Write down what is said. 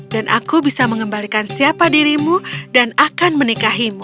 dan aku bisa mengembalikan siapa dirimu dan akan menikahimu